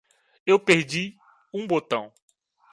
Eu perdi um botão!